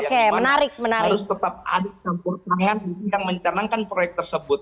yang memang harus tetap ada campur tangan yang mencernakan proyek tersebut